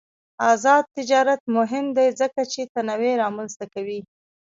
آزاد تجارت مهم دی ځکه چې تنوع رامنځته کوي.